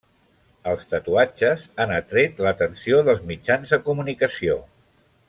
Els tatuatges han atret l'atenció dels mitjans de comunicació.